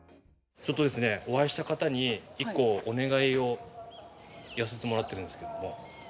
ちょっとですねお会いした方に１個お願いを言わせてもらってるんですけど。